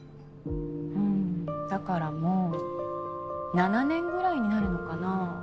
だからもう７年ぐらいになるのかな？